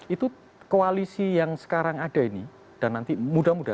itu koalisi yang sekarang ada ini dan nanti mudah mudahan